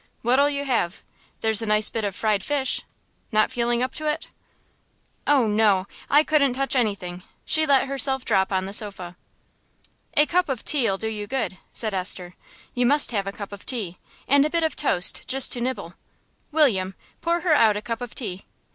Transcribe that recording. "What'll you have? There's a nice bit of fried fish. Not feeling up to it?" "Oh, no! I couldn't touch anything." She let herself drop on the sofa. "A cup of tea'll do you good," said Esther. "You must have a cup of tea, and a bit of toast just to nibble. William, pour her out a cup of tea."